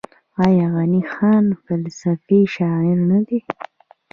آیا غني خان فلسفي شاعر نه دی؟